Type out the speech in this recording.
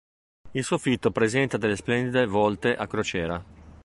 Il soffitto presenta delle splendide volte a crociera.